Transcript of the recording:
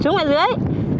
chúng ở dưới